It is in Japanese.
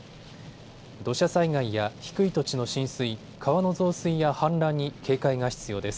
土砂災害や低い土地の浸水、川の増水や氾濫に警戒が必要です。